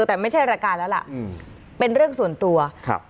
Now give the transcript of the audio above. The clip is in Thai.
แต่ไม่ใช่รายการแล้วล่ะอืมเป็นเรื่องส่วนตัวครับ